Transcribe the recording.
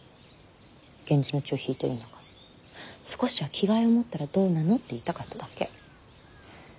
源氏の血を引いてるんだから少しは気概を持ったらどうなのって言いたかっただけ。